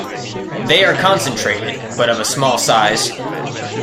They are concentrated, but of a small size.